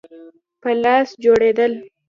په لاس جوړېدل.